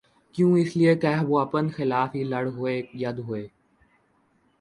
کیوں اس لیے کہہ وہ اپن کیخلاف ہی لڑ ہوئے ید ہوئے